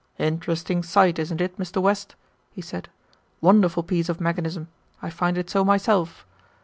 "Interesting sight, isn't it, Mr. West," he said. "Wonderful piece of mechanism; I find it so myself.